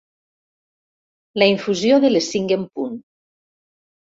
La infusió de les cinc en punt.